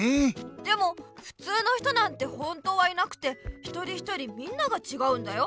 でもふつうの人なんて本当はいなくて一人一人みんながちがうんだよ。